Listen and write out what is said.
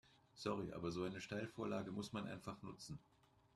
Sorry, aber so eine Steilvorlage muss man einfach nutzen.